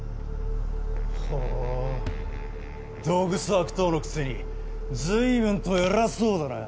ほうドグソ悪党のくせにずいぶんと偉そうだなぁ。